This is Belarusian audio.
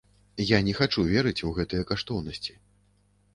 Я не хачу верыць у гэтыя каштоўнасці.